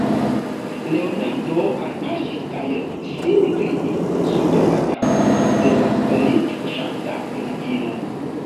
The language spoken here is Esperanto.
Leonardo alpaŝis kaj sin klinis super la kapon de la litkuŝanta knabino.